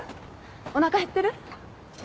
おなか減ってる？